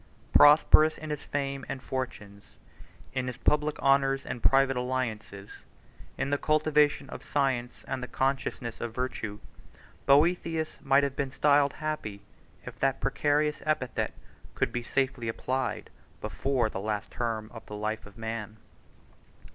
Prosperous in his fame and fortunes, in his public honors and private alliances, in the cultivation of science and the consciousness of virtue, Boethius might have been styled happy, if that precarious epithet could be safely applied before the last term of the life of man.